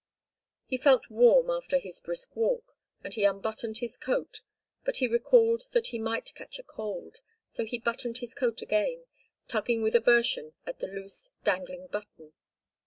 He felt warm after his brisk walk, and he unbuttoned his coat, but he recalled that he might catch a cold, so he buttoned his coat again, tugging with aversion at the loose, dangling button.